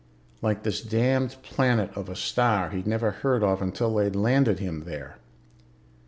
Like this damned planet of a star he'd never heard of until they'd landed him there.